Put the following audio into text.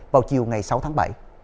vào chiều ngày sáu tháng bảy